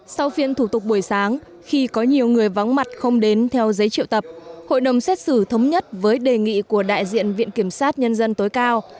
sau phiên thủ tục buổi sáng khi có nhiều người vắng mặt không đến theo giấy triệu tập hội đồng xét xử thống nhất với đề nghị của đại diện viện kiểm sát nhân dân tối cao